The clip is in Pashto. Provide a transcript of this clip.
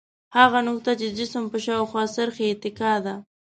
هغه نقطه چې جسم په شاوخوا څرخي اتکا ده.